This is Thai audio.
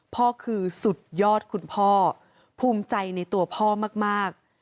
พ่อคือสุดยอดคุณพ่อภูมิใจในตัวพ่อมาก